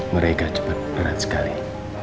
mereka cepat berat sekali